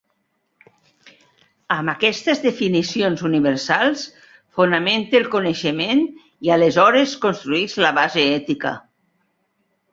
Amb aquestes definicions universals fonamente el coneixement i aleshores construïsc la base ètica.